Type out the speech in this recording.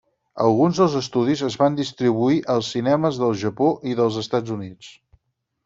Alguns dels estudis es van distribuir als cinemes del Japó i dels Estats Units.